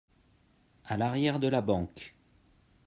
À l'arrière de la banque.